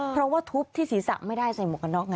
เพราะว่าทุบที่ศีรษะไม่ได้ใส่หมวกกันน็อกนะ